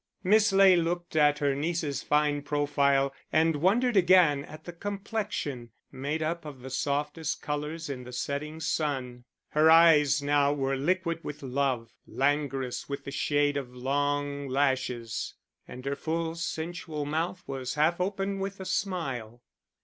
Miss Ley looked at her niece's fine profile, and wondered again at the complexion, made up of the softest colours in the setting sun. Her eyes now were liquid with love, languorous with the shade of long lashes; and her full, sensual mouth was half open with a smile.